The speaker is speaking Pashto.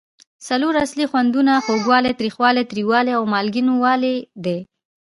څلور اصلي خوندونه خوږوالی، تریخوالی، تریوالی او مالګینو والی دي.